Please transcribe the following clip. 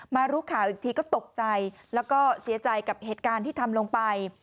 รู้ข่าวอีกทีก็ตกใจแล้วก็เสียใจกับเหตุการณ์ที่ทำลงไป